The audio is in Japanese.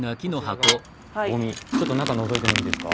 ちょっと中のぞいてもいいですか？